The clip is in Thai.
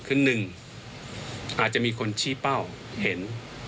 คือ๑อาจจะมีคนชี้เป้าเห็น